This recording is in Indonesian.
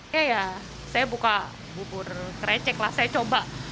ya ya saya buka bubur krecek lah saya coba